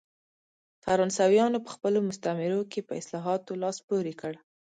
فرانسویانو په خپلو مستعمرو کې په اصلاحاتو لاس پورې کړ.